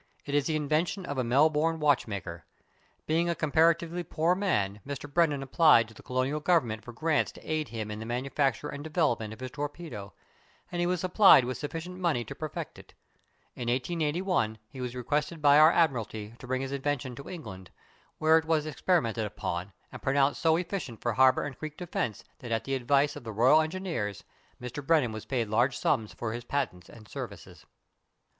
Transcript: It is the invention of a Melbourne watchmaker. Being a comparatively poor man, Mr. Brennan applied to the Colonial Government for grants to aid him in the manufacture and development of his torpedo, and he was supplied with sufficient money to perfect it. In 1881 he was requested by our Admiralty to bring his invention to England, where it was experimented upon, and pronounced so efficient for harbour and creek defence that at the advice of the Royal Engineers Mr. Brennan was paid large sums for his patents and services.